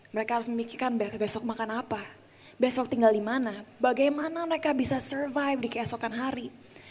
mereka harus memikirkan besok makan apa besok tinggal di mana bagaimana mereka bisa survive di keesokan hari